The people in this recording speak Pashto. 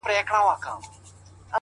چي د وجود له آخرې رگه وتلي شراب!!